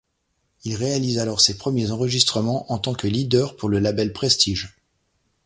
Il réalise alors ses premiers enregistrements en tant que leader pour le label Prestige.